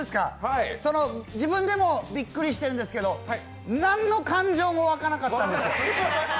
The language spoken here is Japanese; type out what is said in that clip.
自分でもびっくりしてるんですけど、なんの感情も湧かなかったんです。